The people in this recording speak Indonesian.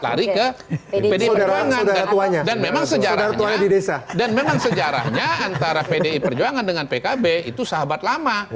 lari ke pdi perjuangan dan memang sejarahnya dan memang sejarahnya antara pdi perjuangan dengan pkb itu sahabat lama